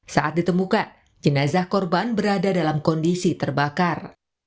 saat ditemukan jenazah korban berada dalam kondisi terbakar